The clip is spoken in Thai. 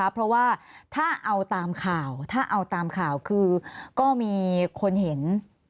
เพราะว่าถ้าเอาตามข่าวก็มีคนเห็น